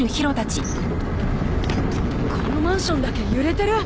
このマンションだけ揺れてる！？